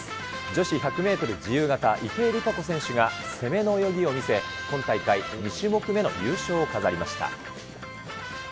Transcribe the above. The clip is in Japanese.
女子１００メートル自由形、池江璃花子選手が攻めの泳ぎを見せ、今大会２種目目の優勝を飾りました。